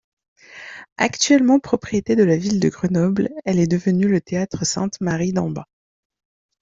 Actuellement propriété de la ville de Grenoble, elle est devenue le Théâtre Sainte-Marie-d’en-Bas.